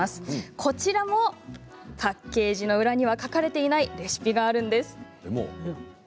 こちらもパッケージの裏には書かれていないレシピがあるんです。